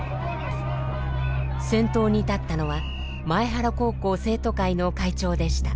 先頭に立ったのは前原高校生徒会の会長でした。